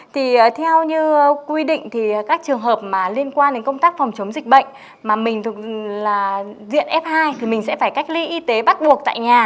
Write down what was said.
thì theo như quy định thì các trường hợp mà liên quan đến công tác phòng chống dịch bệnh mà mình là diện f hai thì mình sẽ phải cách ly y tế bắt buộc tại nhà